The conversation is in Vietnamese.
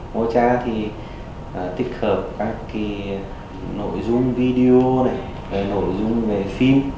mocha thì tích hợp các nội dung video nội dung về phim